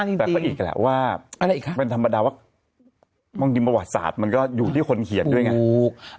แต่ก็อีกแหละว่าอะไรอีกคะเป็นธรรมดาว่าบางทีประวัติศาสตร์มันก็อยู่ที่คนเขียนด้วยไง